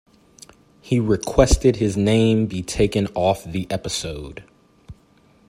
He requested his name be taken off the episode.